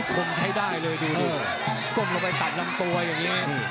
คมใช้ได้เลยดูก้มลงไปตัดลำตัวอย่างนี้